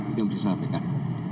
ini yang bisa disampaikan